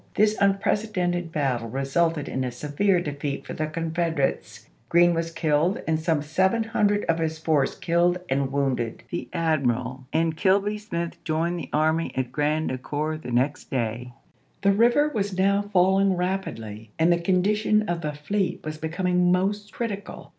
This unprecedented battle resulted in a severe defeat for the Confederates; Green was killed and some seven hundred of his force killed and wounded. The admiral and Kilby Smith joined the army at Grand Ecore the next day. The river was now falling rapidly and the condition of the fleet was becoming most critical.